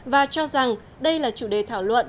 và cho rằng đây là chủ đề thảo luận